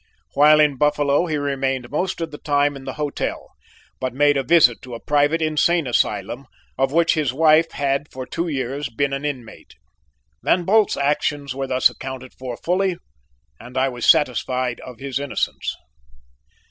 While in Buffalo he remained most of the time in the hotel, but made a visit to a private insane asylum, of which his wife had for two years been an inmate. "Van Bult's actions were thus accounted for fully and I was satisfied of his innocence.